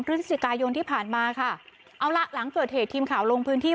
พฤศจิกายนที่ผ่านมาค่ะเอาล่ะหลังเกิดเหตุทีมข่าวลงพื้นที่